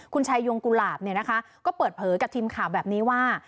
คุณชายงกุหลาบก็เปิดเผยกับทีมข่าวแบบนี้ว่า